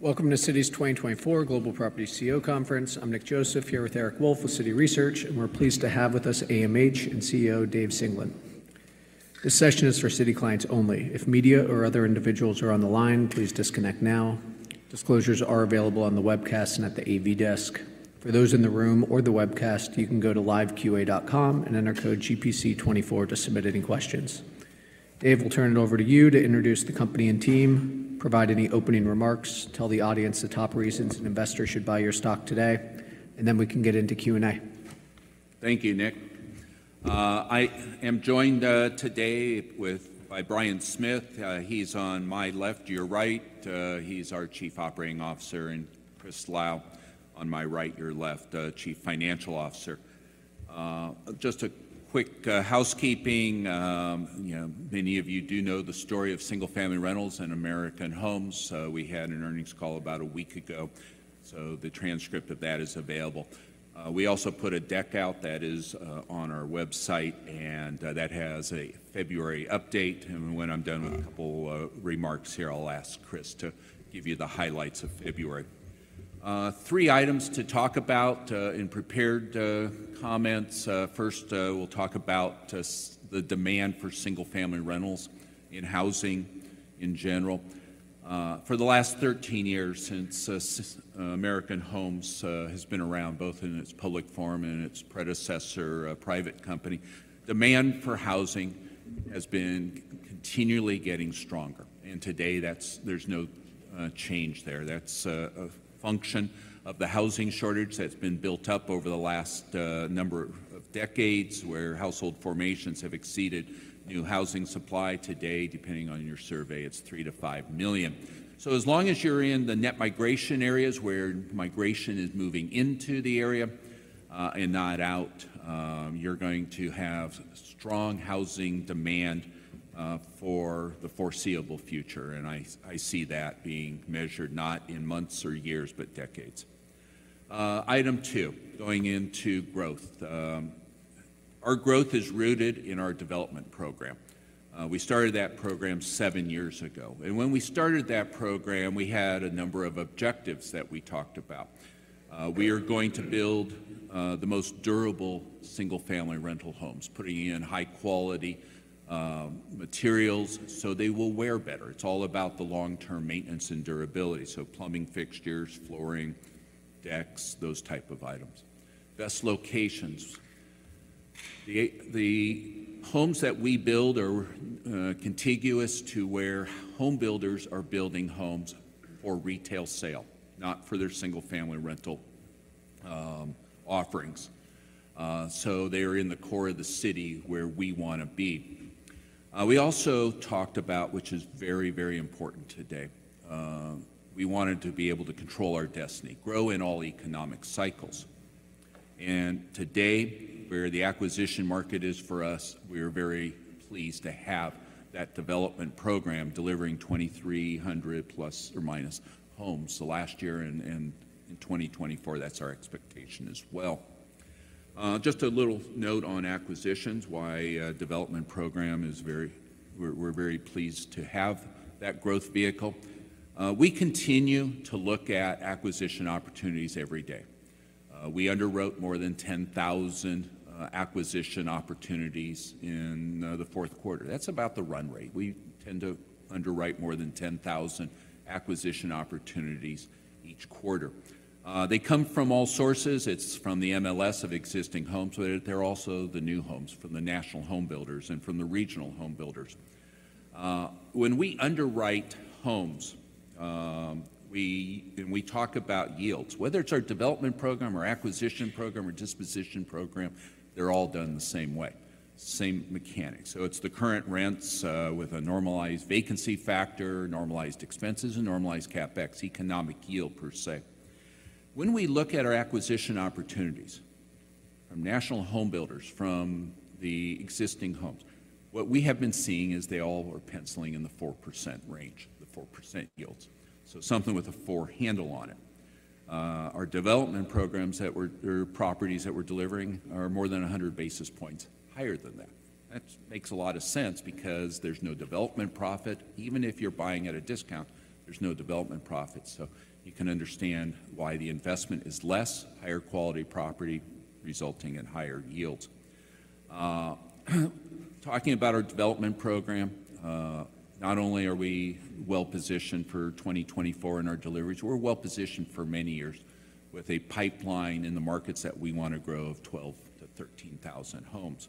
Welcome to Citi's 2024 Global Property CEO Conference. I'm Nick Joseph, here with Eric Wolfe of Citi Research, and we're pleased to have with us AMH and CEO Dave Singelyn. This session is for Citi clients only. If media or other individuals are on the line, please disconnect now. Disclosures are available on the webcast and at the AV desk. For those in the room or the webcast, you can go to liveqa.com and enter code GPC24 to submit any questions. Dave, we'll turn it over to you to introduce the company and team, provide any opening remarks, tell the audience the top reasons an investor should buy your stock today, and then we can get into Q&A. Thank you, Nick. I am joined today with, by Bryan Smith. He's on my left, your right. He's our Chief Operating Officer, and Chris Lau on my right, your left, Chief Financial Officer. Just a quick housekeeping. You know, many of you do know the story of Single-Family Rentals and American Homes. So we had an earnings call about a week ago, so the transcript of that is available. We also put a deck out that is on our website and that has a February update. And when I'm done with a couple of remarks here, I'll ask Chris to give you the highlights of February. Three items to talk about in prepared comments. First, we'll talk about the demand for single-family rentals in housing in general. For the last 13 years since American Homes has been around, both in its public form and its predecessor, a private company, demand for housing has been continually getting stronger, and today, that's. There's no change there. That's a function of the housing shortage that's been built up over the last number of decades, where household formations have exceeded new housing supply. Today, depending on your survey, it's 3-5 million. So as long as you're in the net migration areas, where migration is moving into the area and not out, you're going to have strong housing demand for the foreseeable future. And I see that being measured not in months or years, but decades. Item two, going into growth. Our growth is rooted in our development program. We started that program seven years ago, and when we started that program, we had a number of objectives that we talked about. We are going to build the most durable single-family rental homes, putting in high-quality materials so they will wear better. It's all about the long-term maintenance and durability, so plumbing fixtures, flooring, decks, those type of items. Best locations. The homes that we build are contiguous to where homebuilders are building homes for retail sale, not for their single-family rental offerings. So they are in the core of the city where we want to be. We also talked about, which is very, very important today, we wanted to be able to control our destiny, grow in all economic cycles. Today, where the acquisition market is for us, we are very pleased to have that development program delivering 2,300 ± homes last year, and in 2024, that's our expectation as well. Just a little note on acquisitions. We're very pleased to have that growth vehicle. We continue to look at acquisition opportunities every day. We underwrote more than 10,000 acquisition opportunities in the fourth quarter. That's about the run rate. We tend to underwrite more than 10,000 acquisition opportunities each quarter. They come from all sources. It's from the MLS of existing homes, but they're also the new homes from the national home builders and from the regional home builders. When we underwrite homes, and we talk about yields, whether it's our development program, or acquisition program, or disposition program, they're all done the same way, same mechanics. So it's the current rents, with a normalized vacancy factor, normalized expenses, and normalized CapEx, economic yield per se. When we look at our acquisition opportunities from national home builders, from the existing homes, what we have been seeing is they all are penciling in the 4% range, the 4% yields. So something with a four handle on it. Our development programs or properties that we're delivering are more than 100 basis points higher than that. That makes a lot of sense because there's no development profit. Even if you're buying at a discount, there's no development profit. So you can understand why the investment is less, higher quality property resulting in higher yields. Talking about our development program, not only are we well positioned for 2024 in our deliveries, we're well positioned for many years with a pipeline in the markets that we want to grow of 12,000-13,000 homes.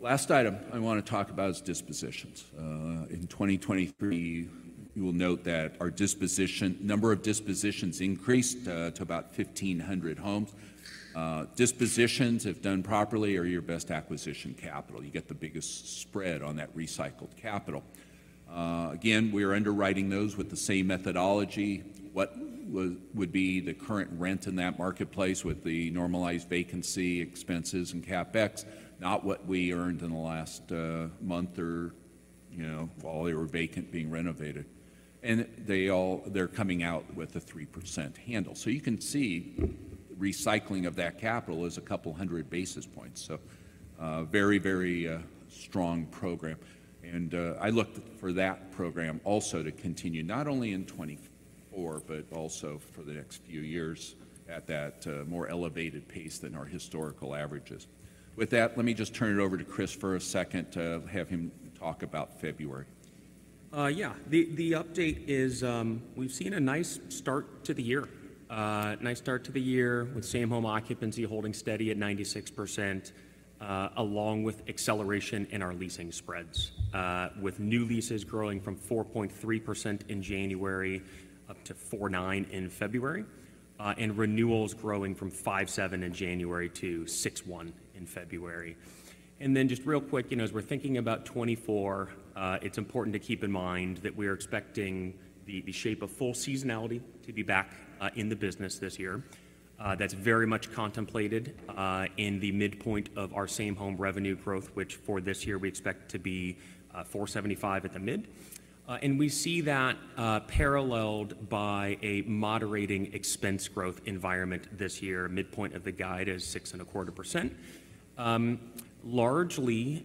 Last item I want to talk about is dispositions. In 2023, you will note that our disposition number of dispositions increased to about 1,500 homes. Dispositions, if done properly, are your best acquisition capital. You get the biggest spread on that recycled capital. Again, we are underwriting those with the same methodology. What would be the current rent in that marketplace with the normalized vacancy, expenses, and CapEx, not what we earned in the last month or, you know, while they were vacant, being renovated. And they're coming out with a 3% handle. So you can see recycling of that capital is 200 basis points. Very, very strong program. And I look for that program also to continue, not only in 2024, but also for the next few years at that more elevated pace than our historical averages. With that, let me just turn it over to Chris for a second to have him talk about February. Yeah. The update is, we've seen a nice start to the year. Nice start to the year with same home occupancy holding steady at 96%, along with acceleration in our leasing spreads. With new leases growing from 4.3% in January up to 4.9% in February, and renewals growing from 5.7% in January to 6.1% in February. And then just real quick, you know, as we're thinking about 2024, it's important to keep in mind that we are expecting the shape of full seasonality to be back in the business this year. That's very much contemplated in the midpoint of our same home revenue growth, which for this year we expect to be 4.75% at the mid. We see that paralleled by a moderating expense growth environment this year. Midpoint of the guide is 6.25%. Largely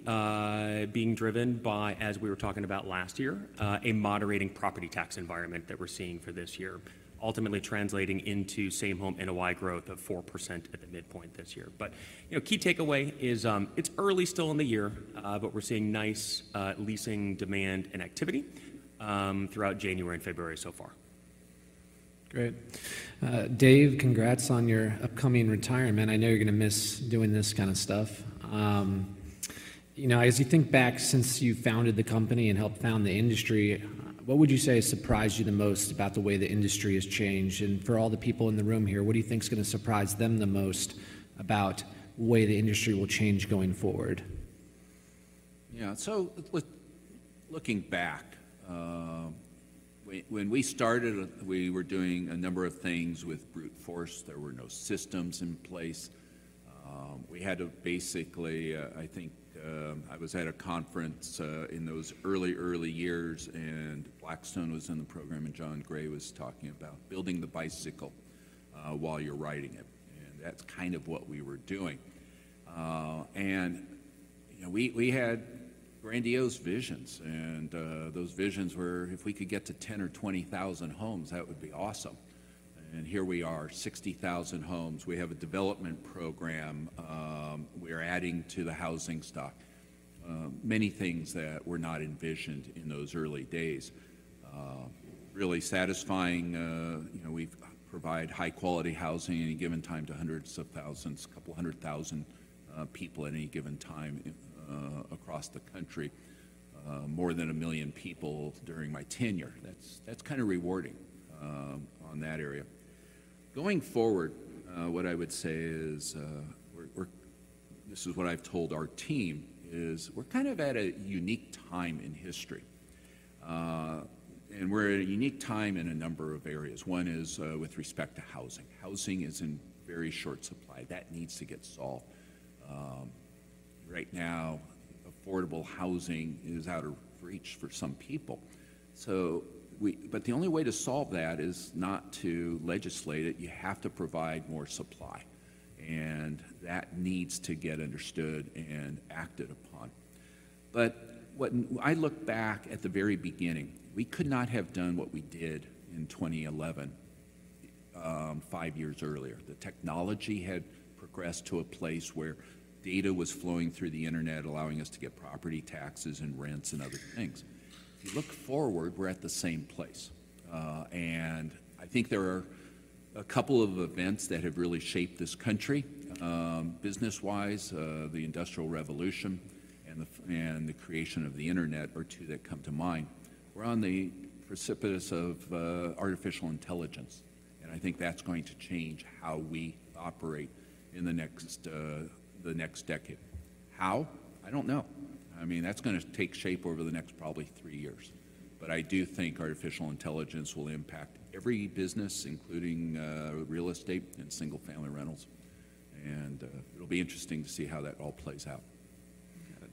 being driven by, as we were talking about last year, a moderating property tax environment that we're seeing for this year, ultimately translating into Same Home NOI growth of 4% at the midpoint this year. You know, key takeaway is, it's early still in the year, but we're seeing nice leasing demand and activity throughout January and February so far. Great. Dave, congrats on your upcoming retirement. I know you're gonna miss doing this kind of stuff. You know, as you think back since you founded the company and helped found the industry, what would you say surprised you the most about the way the industry has changed? And for all the people in the room here, what do you think is gonna surprise them the most about the way the industry will change going forward? Yeah. So with looking back, when, when we started, we were doing a number of things with brute force. There were no systems in place. We had to basically... I think, I was at a conference, in those early, early years, and Blackstone was in the program, and Jon Gray was talking about building the bicycle, while you're riding it, and that's kind of what we were doing. And, you know, we, we had grandiose visions, and, those visions were, if we could get to 10 or 20,000 homes, that would be awesome. And here we are, 60,000 homes. We have a development program. We're adding to the housing stock, many things that were not envisioned in those early days. Really satisfying, you know, we provide high-quality housing any given time to hundreds of thousands, a couple hundred thousand, people at any given time, across the country. More than 1 million people during my tenure. That's kind of rewarding, on that area. Going forward, what I would say is, this is what I've told our team, is we're kind of at a unique time in history. And we're at a unique time in a number of areas. One is, with respect to housing. Housing is in very short supply. That needs to get solved. Right now, affordable housing is out of reach for some people. So we-- but the only way to solve that is not to legislate it. You have to provide more supply, and that needs to get understood and acted upon. But when I look back at the very beginning, we could not have done what we did in 2011, five years earlier. The technology had progressed to a place where data was flowing through the Internet, allowing us to get property taxes and rents and other things. If you look forward, we're at the same place. And I think there are a couple of events that have really shaped this country. Business-wise, the Industrial Revolution and the creation of the Internet are two that come to mind. We're on the precipice of artificial intelligence, and I think that's going to change how we operate in the next decade. How? I don't know. I mean, that's gonna take shape over the next probably three years. But I do think artificial intelligence will impact every business, including, real estate and single-family rentals, and, it'll be interesting to see how that all plays out.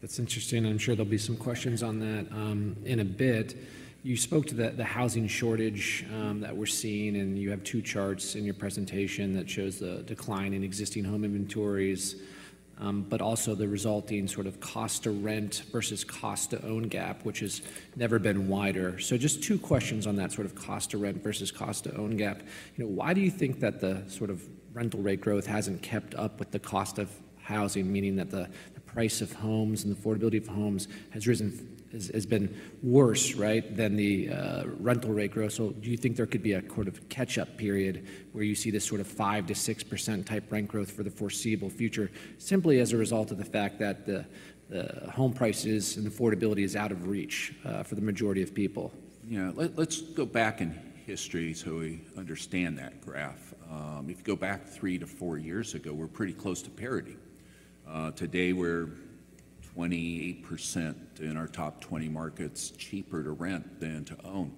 That's interesting. I'm sure there'll be some questions on that in a bit. You spoke to the housing shortage that we're seeing, and you have two charts in your presentation that shows the decline in existing home inventories, but also the resulting sort of cost to rent versus cost to own gap, which has never been wider. So just two questions on that sort of cost to rent versus cost to own gap. You know, why do you think that the sort of rental rate growth hasn't kept up with the cost of housing, meaning that the price of homes and affordability of homes has risen, has been worse, right, than the rental rate growth? So do you think there could be a sort of catch-up period where you see this sort of 5%-6% type rent growth for the foreseeable future, simply as a result of the fact that the home prices and affordability is out of reach for the majority of people? You know, let's go back in history, so we understand that graph. If you go back 3-4 years ago, we're pretty close to parity. Today, we're 28% in our top 20 markets, cheaper to rent than to own.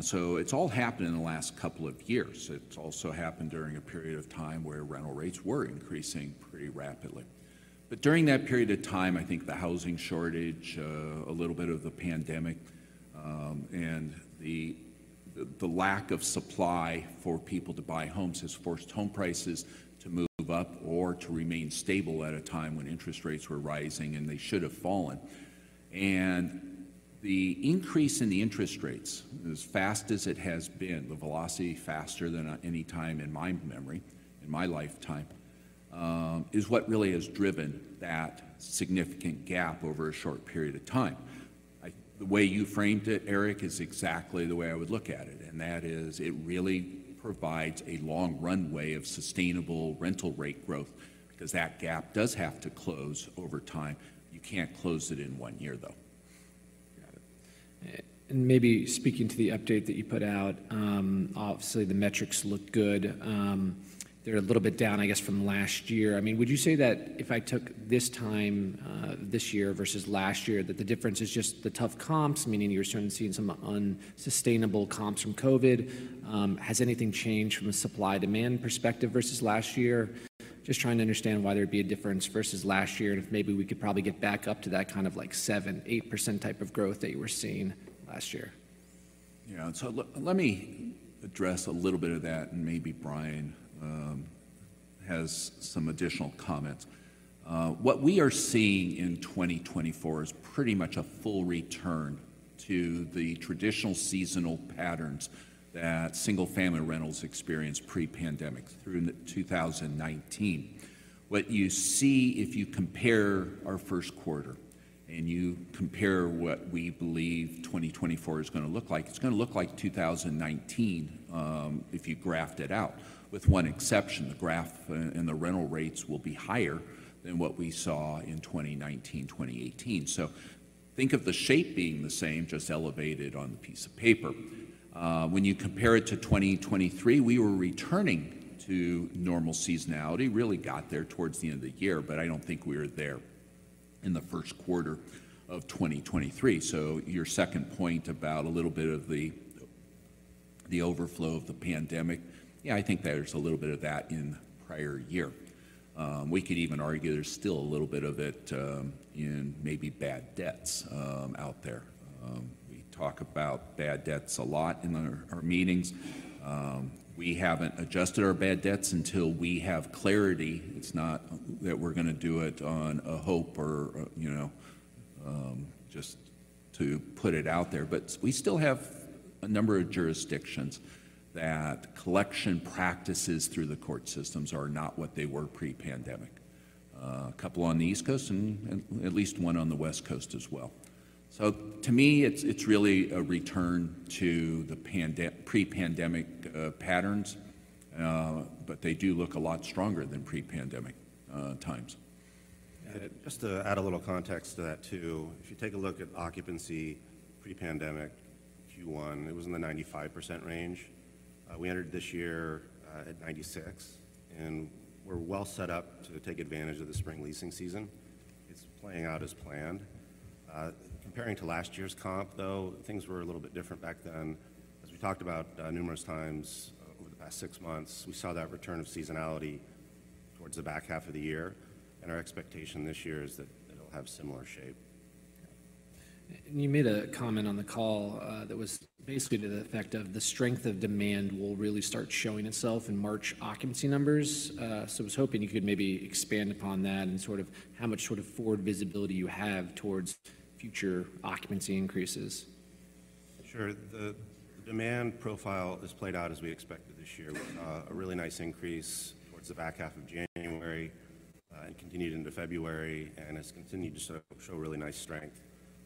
So it's all happened in the last couple of years. It's also happened during a period of time where rental rates were increasing pretty rapidly. But during that period of time, I think the housing shortage, and the lack of supply for people to buy homes has forced home prices to move up or to remain stable at a time when interest rates were rising, and they should have fallen. The increase in the interest rates, as fast as it has been, the velocity faster than at any time in my memory, in my lifetime, is what really has driven that significant gap over a short period of time. The way you framed it, Eric, is exactly the way I would look at it, and that is it really provides a long runway of sustainable rental rate growth because that gap does have to close over time. You can't close it in one year, though. Got it. And maybe speaking to the update that you put out, obviously, the metrics look good. They're a little bit down, I guess, from last year. I mean, would you say that if I took this time, this year versus last year, that the difference is just the tough comps, meaning you're starting to see some unsustainable comps from COVID? Has anything changed from a supply-demand perspective versus last year? Just trying to understand why there'd be a difference versus last year, and if maybe we could probably get back up to that kind of like 7%-8% type of growth that you were seeing last year. Yeah. So let me address a little bit of that, and maybe Bryan has some additional comments. What we are seeing in 2024 is pretty much a full return to the traditional seasonal patterns that single-family rentals experienced pre-pandemic through 2019. What you see if you compare our first quarter and you compare what we believe 2024 is going to look like, it's going to look like 2019, if you graphed it out, with one exception, the graph and the rental rates will be higher than what we saw in 2019, 2018. So think of the shape being the same, just elevated on the piece of paper. When you compare it to 2023, we were returning to normal seasonality. Really got there towards the end of the year, but I don't think we were there in the first quarter of 2023. So your second point about a little bit of the overflow of the pandemic, yeah, I think there's a little bit of that in the prior year. We could even argue there's still a little bit of it in maybe bad debts out there. We talk about bad debts a lot in our meetings. We haven't adjusted our bad debts until we have clarity. It's not that we're going to do it on a hope or, you know, just to put it out there. But we still have a number of jurisdictions that collection practices through the court systems are not what they were pre-pandemic. A couple on the East Coast and at least one on the West Coast as well. So to me, it's really a return to the pre-pandemic patterns. But they do look a lot stronger than pre-pandemic times. Just to add a little context to that, too. If you take a look at occupancy pre-pandemic Q1, it was in the 95% range. We entered this year at 96, and we're well set up to take advantage of the spring leasing season. It's playing out as planned. Comparing to last year's comp, though, things were a little bit different back then. As we talked about numerous times over the past six months, we saw that return of seasonality towards the back half of the year, and our expectation this year is that it'll have similar shape. You made a comment on the call, that was basically to the effect of the strength of demand will really start showing itself in March occupancy numbers. So I was hoping you could maybe expand upon that and sort of how much sort of forward visibility you have towards future occupancy increases. Sure. The demand profile has played out as we expected this year, with a really nice increase towards the back half of January, and continued into February, and it's continued to show really nice strength.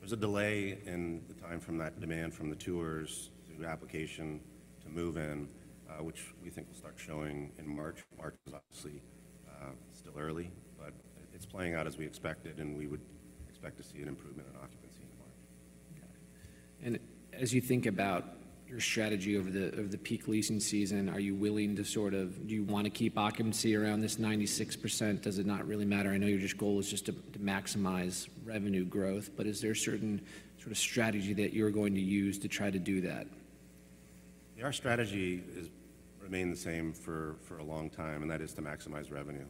There's a delay in the time from that demand, from the tours through application to move-in, which we think will start showing in March. March is obviously still early, but it's playing out as we expected, and we would expect to see an improvement in occupancy in the market. Okay. And as you think about your strategy over the peak leasing season, are you willing to sort of... Do you want to keep occupancy around this 96%? Does it not really matter? I know your sole goal is just to maximize revenue growth, but is there a certain sort of strategy that you're going to use to try to do that? Our strategy has remained the same for a long time, and that is to maximize revenue,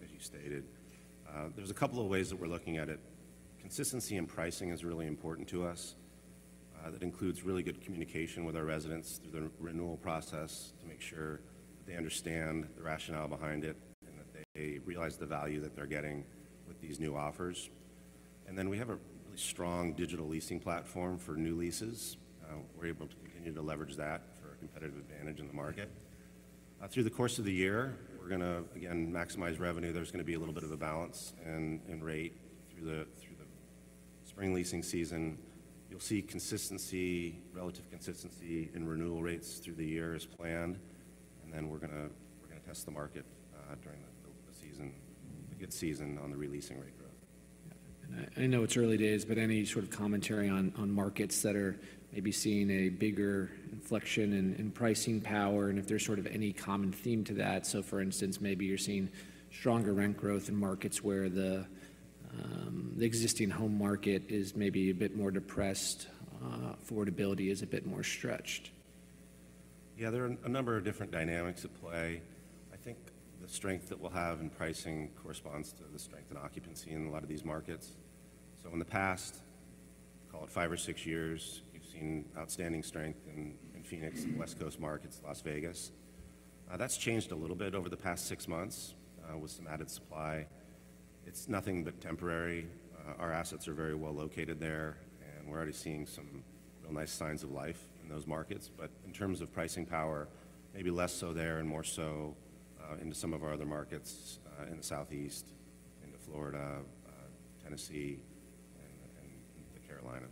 as you stated. There's a couple of ways that we're looking at it. Consistency in pricing is really important to us. That includes really good communication with our residents through the renewal process, to make sure they understand the rationale behind it, and that they realize the value that they're getting with these new offers. And then we have a really strong digital leasing platform for new leases. We're able to continue to leverage that for a competitive advantage in the market. Through the course of the year, we're going to, again, maximize revenue. There's going to be a little bit of a balance in rate through the spring leasing season. You'll see consistency, relative consistency in renewal rates through the year as planned, and then we're going to test the market during the season, the good season on the releasing rate growth. I know it's early days, but any sort of commentary on markets that are maybe seeing a bigger inflection in pricing power and if there's sort of any common theme to that? So for instance, maybe you're seeing stronger rent growth in markets where the existing home market is maybe a bit more depressed, affordability is a bit more stretched.... Yeah, there are a number of different dynamics at play. I think the strength that we'll have in pricing corresponds to the strength in occupancy in a lot of these markets. So in the past, call it five or six years, we've seen outstanding strength in Phoenix and West Coast markets, Las Vegas. That's changed a little bit over the past six months with some added supply. It's nothing but temporary. Our assets are very well located there, and we're already seeing some real nice signs of life in those markets. But in terms of pricing power, maybe less so there and more so, into some of our other markets in the Southeast, into Florida, Tennessee, and the Carolinas.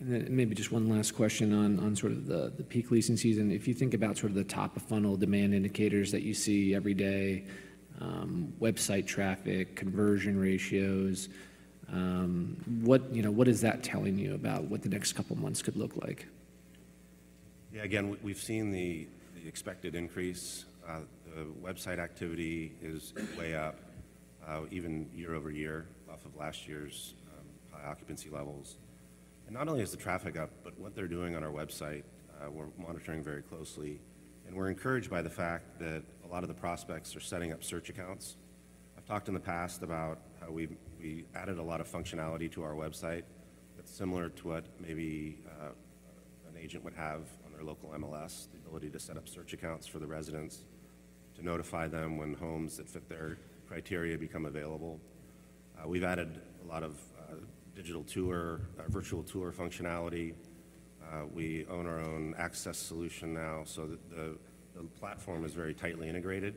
And then maybe just one last question on, on sort of the, the peak leasing season. If you think about sort of the top-of-funnel demand indicators that you see every day, website traffic, conversion ratios, what, you know, what is that telling you about what the next couple months could look like? Yeah, again, we've seen the expected increase. The website activity is way up, even year over year, off of last year's high occupancy levels. And not only is the traffic up, but what they're doing on our website, we're monitoring very closely. And we're encouraged by the fact that a lot of the prospects are setting up search accounts. I've talked in the past about how we've added a lot of functionality to our website. It's similar to what maybe an agent would have on their local MLS, the ability to set up search accounts for the residents to notify them when homes that fit their criteria become available. We've added a lot of digital tour virtual tour functionality. We own our own access solution now, so the platform is very tightly integrated.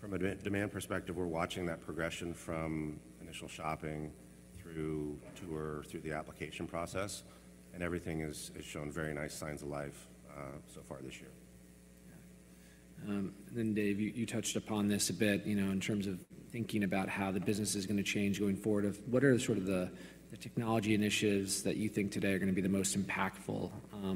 From a demand perspective, we're watching that progression from initial shopping through tour, through the application process, and everything is showing very nice signs of life so far this year. Yeah. And then, Dave, you touched upon this a bit, you know, in terms of thinking about how the business is gonna change going forward. What are sort of the technology initiatives that you think today are gonna be the most impactful,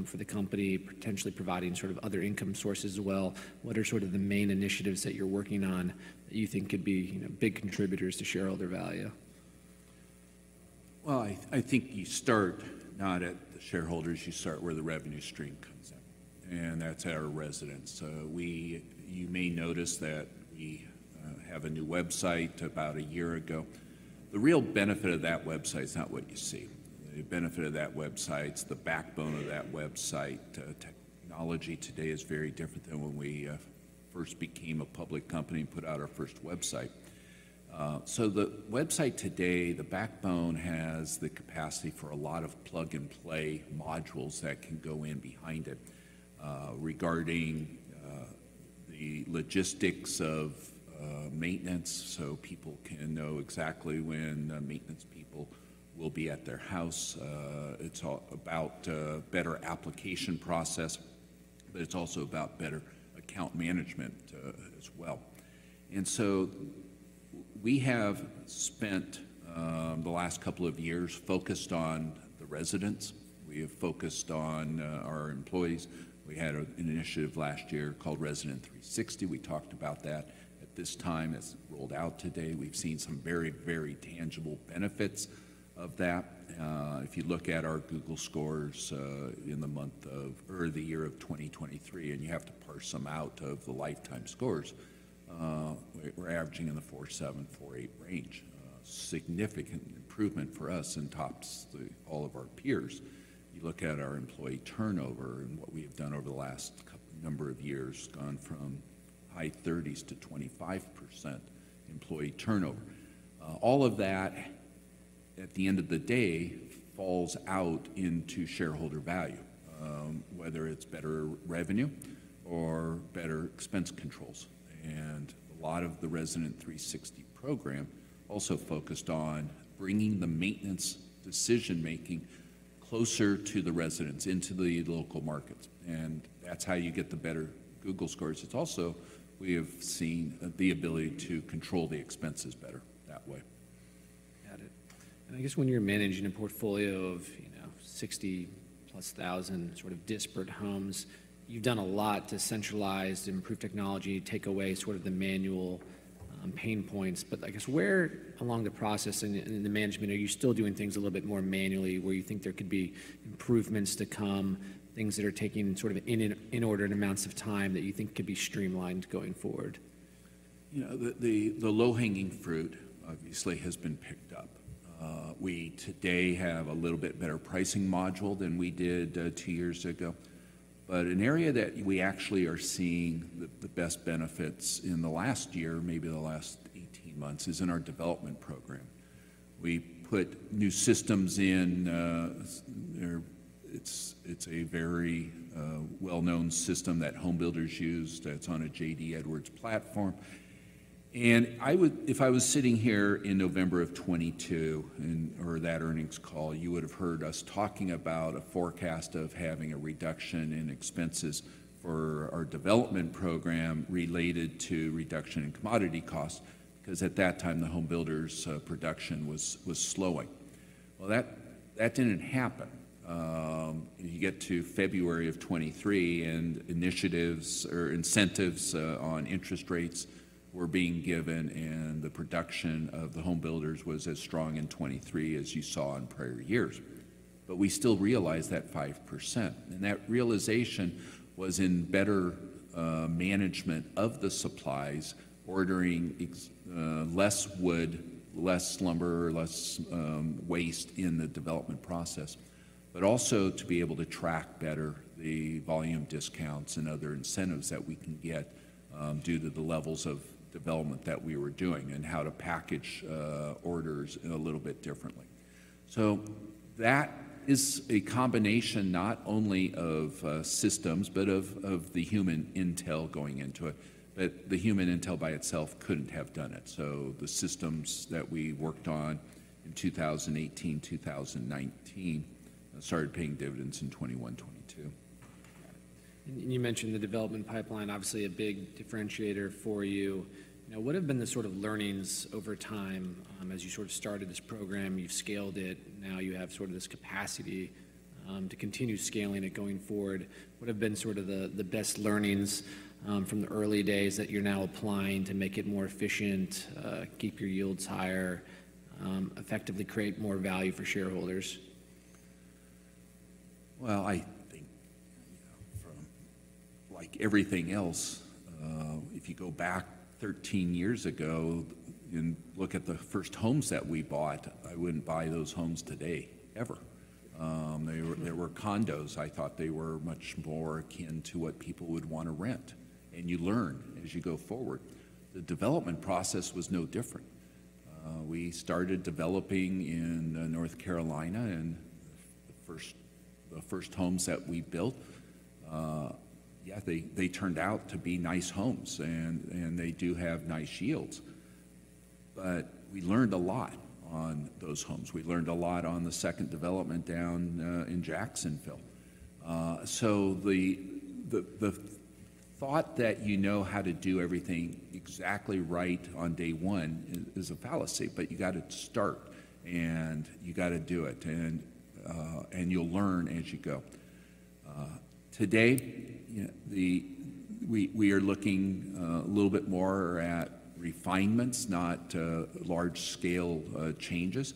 for the company, potentially providing sort of other income sources as well? What are sort of the main initiatives that you're working on that you think could be, you know, big contributors to shareholder value? Well, I think you start not at the shareholders, you start where the revenue stream comes in, and that's our residents. You may notice that we have a new website about a year ago. The real benefit of that website is not what you see. The benefit of that website is the backbone of that website. Technology today is very different than when we first became a public company and put out our first website. So the website today, the backbone has the capacity for a lot of plug-and-play modules that can go in behind it, regarding the logistics of maintenance, so people can know exactly when the maintenance people will be at their house. It's all about better application process, but it's also about better account management, as well. We have spent the last couple of years focused on the residents. We have focused on our employees. We had an initiative last year called Resident360. We talked about that at this time, as it rolled out today. We've seen some very, very tangible benefits of that. If you look at our Google scores, in the year of 2023, and you have to parse them out of the lifetime scores, we're averaging in the 4.7-4.8 range. A significant improvement for us and tops all of our peers. You look at our employee turnover and what we have done over the last couple of years, gone from high 30s to 25% employee turnover. All of that, at the end of the day, falls out into shareholder value, whether it's better revenue or better expense controls. A lot of the Resident360 program also focused on bringing the maintenance decision-making closer to the residents, into the local markets, and that's how you get the better Google scores. It's also, we have seen the ability to control the expenses better that way. Got it. I guess when you're managing a portfolio of, you know, 60,000+ sort of disparate homes, you've done a lot to centralize, improve technology, take away sort of the manual pain points. But I guess, where along the process and in the management are you still doing things a little bit more manually, where you think there could be improvements to come, things that are taking sort of inordinate amounts of time that you think could be streamlined going forward? You know, the low-hanging fruit obviously has been picked up. We today have a little bit better pricing module than we did 2 years ago. But an area that we actually are seeing the best benefits in the last year, maybe the last 18 months, is in our development program. We put new systems in. It's a very well-known system that home builders use that's on a J.D. Edwards platform. And if I was sitting here in November of 2022 and, or that earnings call, you would have heard us talking about a forecast of having a reduction in expenses for our development program related to reduction in commodity costs, because at that time, the home builders production was slowing. Well, that didn't happen. You get to February of 2023 and initiatives or incentives on interest rates were being given, and the production of the home builders was as strong in 2023 as you saw in prior years. But we still realized that 5%, and that realization was in better management of the supplies, ordering less wood, less lumber, less waste in the development process. But also to be able to track better the volume discounts and other incentives that we can get due to the levels of development that we were doing, and how to package orders in a little bit differently. So that is a combination, not only of systems, but of the human intel going into it, but the human intel by itself couldn't have done it. The systems that we worked on in 2018, 2019, started paying dividends in 2021, 2022. And you mentioned the development pipeline, obviously a big differentiator for you. Now, what have been the sort of learnings over time, as you sort of started this program, you've scaled it, now you have sort of this capacity, to continue scaling it going forward. What have been sort of the best learnings, from the early days that you're now applying to make it more efficient, keep your yields higher, effectively create more value for shareholders? Well, I think, you know, from, like everything else, if you go back 13 years ago and look at the first homes that we bought, I wouldn't buy those homes today, ever. They were condos. I thought they were much more akin to what people would want to rent. And you learn as you go forward. The development process was no different. We started developing in North Carolina, and the first homes that we built, they turned out to be nice homes, and they do have nice yields. But we learned a lot on those homes. We learned a lot on the second development down in Jacksonville. So the thought that you know how to do everything exactly right on day one is a fallacy, but you got to start, and you got to do it, and you'll learn as you go. Today, you know, we are looking a little bit more at refinements, not large-scale changes.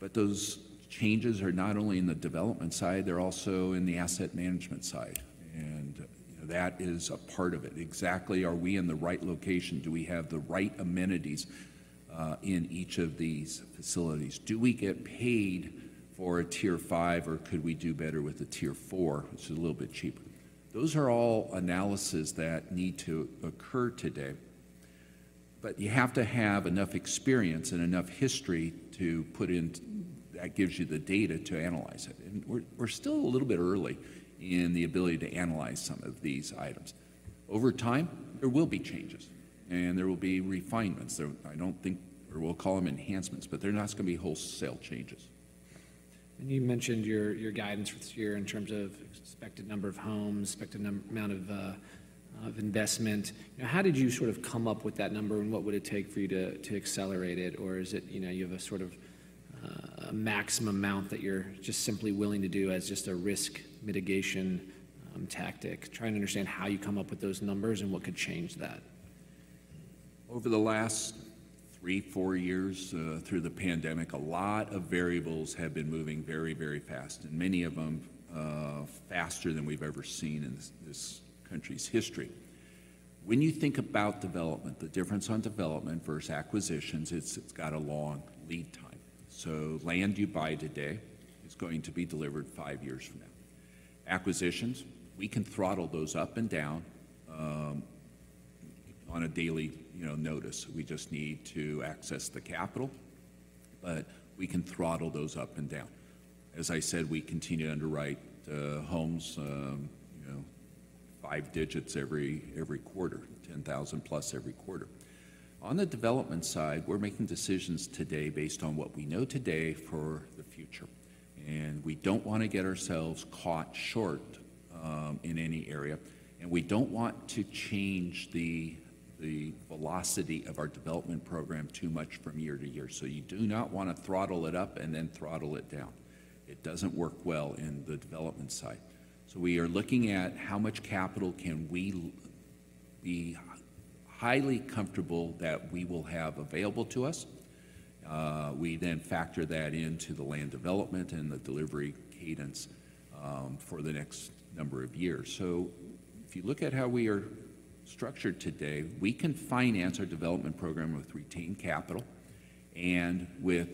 But those changes are not only in the development side, they're also in the asset management side, and that is a part of it. Exactly, are we in the right location? Do we have the right amenities in each of these facilities? Do we get paid for a Tier Five, or could we do better with a Tier Four, which is a little bit cheaper? Those are all analyses that need to occur today, but you have to have enough experience and enough history to put into—that gives you the data to analyze it. And we're, we're still a little bit early in the ability to analyze some of these items. Over time, there will be changes, and there will be refinements. There—I don't think... We'll call them enhancements, but they're not going to be wholesale changes. You mentioned your guidance for this year in terms of expected number of homes, expected amount of investment. Now, how did you sort of come up with that number, and what would it take for you to accelerate it? Or is it, you know, you have a sort of a maximum amount that you're just simply willing to do as just a risk mitigation tactic? Trying to understand how you come up with those numbers and what could change that. Over the last 3-4 years, through the pandemic, a lot of variables have been moving very, very fast, and many of them, faster than we've ever seen in this, this country's history. When you think about development, the difference on development versus acquisitions, it's, it's got a long lead time. So land you buy today is going to be delivered 5 years from now. Acquisitions, we can throttle those up and down, on a daily, you know, notice. We just need to access the capital, but we can throttle those up and down. As I said, we continue to underwrite, homes, you know, 5 digits every, every quarter, 10,000 plus every quarter. On the development side, we're making decisions today based on what we know today for the future, and we don't want to get ourselves caught short, in any area, and we don't want to change the, the velocity of our development program too much from year to year. So you do not want to throttle it up and then throttle it down. It doesn't work well in the development side. So we are looking at how much capital can we be highly comfortable that we will have available to us. We then factor that into the land development and the delivery cadence, for the next number of years. So if you look at how we are structured today, we can finance our development program with retained capital and with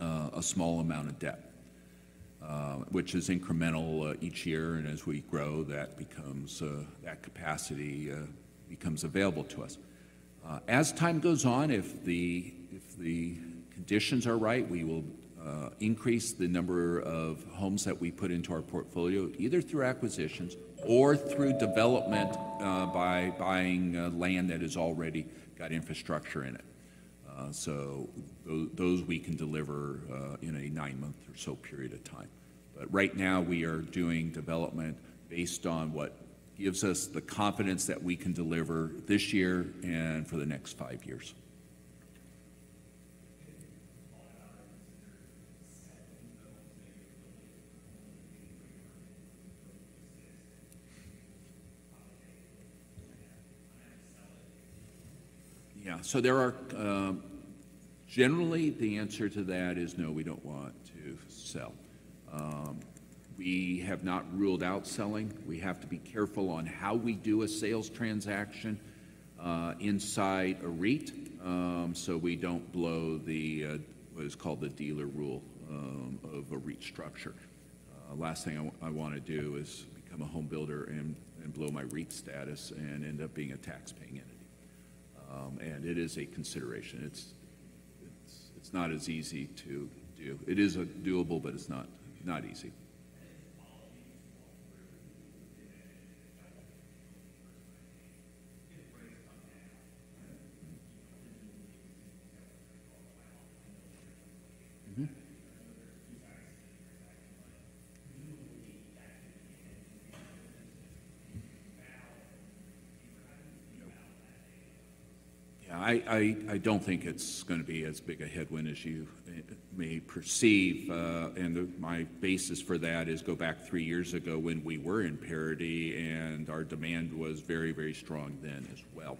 a small amount of debt, which is incremental each year, and as we grow, that becomes that capacity becomes available to us. As time goes on, if the conditions are right, we will increase the number of homes that we put into our portfolio, either through acquisitions or through development by buying land that has already got infrastructure in it. So those we can deliver in a 9-month or so period of time. But right now, we are doing development based on what gives us the confidence that we can deliver this year and for the next 5 years. ... Yeah, so there are, generally, the answer to that is no, we don't want to sell. We have not ruled out selling. We have to be careful on how we do a sales transaction, inside a REIT, so we don't blow the, what is called the Dealer Rule, of a REIT structure. Last thing I want to do is become a home builder and blow my REIT status and end up being a tax-paying entity. And it is a consideration. It's not as easy to do. It is, doable, but it's not easy. Yeah, I don't think it's gonna be as big a headwind as you may perceive. My basis for that is to go back three years ago when we were in parity, and our demand was very, very strong then as well.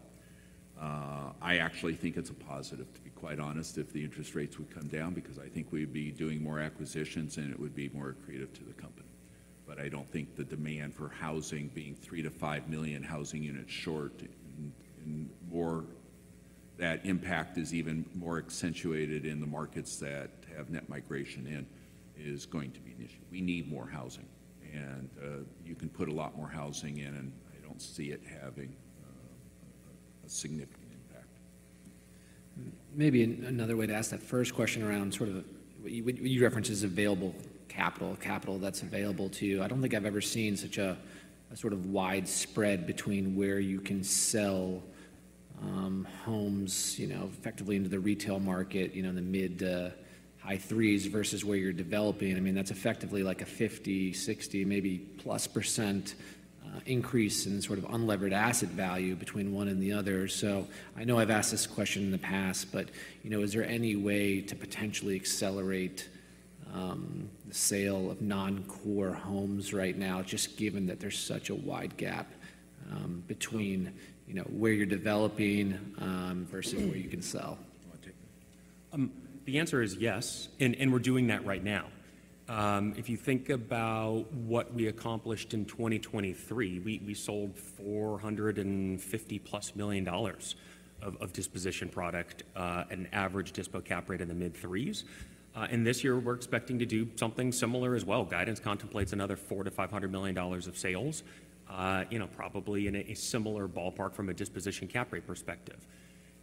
I actually think it's a positive, to be quite honest, if the interest rates would come down, because I think we'd be doing more acquisitions, and it would be more accretive to the company. But I don't think the demand for housing being 3-5 million housing units short, and more, that impact is even more accentuated in the markets that have net migration in, is going to be an issue. We need more housing, and you can put a lot more housing in, and I don't see it having a significant impact. Maybe another way to ask that first question around sort of. You referenced available capital, capital that's available to you. I don't think I've ever seen such a sort of wide spread between where you can sell homes, you know, effectively into the retail market, you know, in the mid- to high $300,000s versus where you're developing. I mean, that's effectively like a 50, 60, maybe plus % increase in sort of unlevered asset value between one and the other. So I know I've asked this question in the past, but, you know, is there any way to potentially accelerate the sale of non-core homes right now, just given that there's such a wide gap between, you know, where you're developing versus where you can sell? You want to take that? The answer is yes, and we're doing that right now. If you think about what we accomplished in 2023, we sold $450+ million of disposition product, an average dispo cap rate in the mid threes. This year, we're expecting to do something similar as well. Guidance contemplates another $400 million-$500 million of sales, you know, probably in a similar ballpark from a disposition cap rate perspective.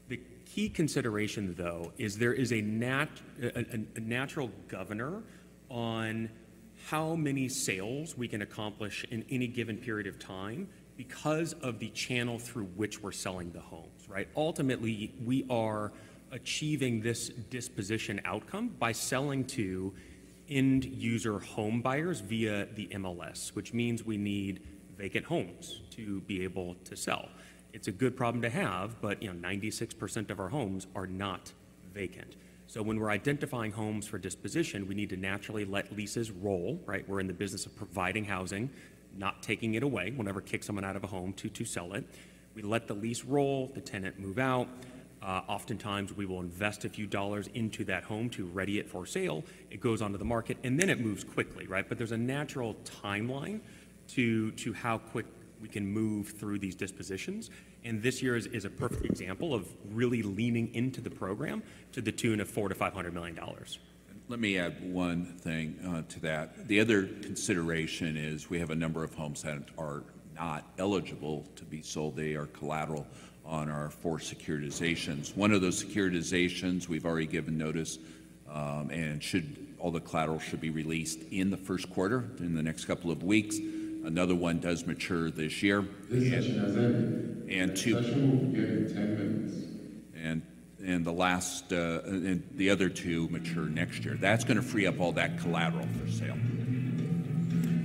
The key consideration, though, is there is a natural governor on how many sales we can accomplish in any given period of time because of the channel through which we're selling the homes, right? Ultimately, we are achieving this disposition outcome by selling to end-user home buyers via the MLS, which means we need vacant homes to be able to sell. It's a good problem to have, but, you know, 96% of our homes are not vacant. So when we're identifying homes for disposition, we need to naturally let leases roll, right? We're in the business of providing housing, not taking it away. We'll never kick someone out of a home to sell it. We let the lease roll, the tenant move out. Oftentimes, we will invest a few dollars into that home to ready it for sale. It goes onto the market, and then it moves quickly, right? But there's a natural timeline to how quick we can move through these dispositions, and this year is a perfect example of really leaning into the program to the tune of $400 million-$500 million. Let me add one thing to that. The other consideration is we have a number of homes that are not eligible to be sold. They are collateral on our four securitizations. One of those securitizations, we've already given notice, and all the collateral should be released in the first quarter, in the next couple of weeks. Another one does mature this year. This session has ended. The session will begin in ten minutes. And the other two mature next year. That's going to free up all that collateral for sale.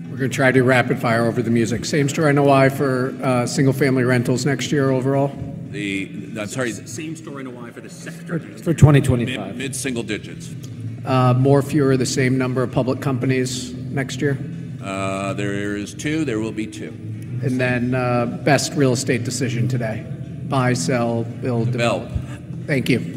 We're going to try to do rapid fire over the music. Same store, NOI, for single-family rentals next year overall? Sorry. Same story, NOI, for the sector. For 2025. Mid, mid-single digits. More, fewer, the same number of public companies next year? There is two. There will be two. And then, best real estate decision today: buy, sell, build? Build. Thank you.